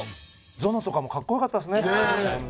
ゾノとかもかっこよかったですね。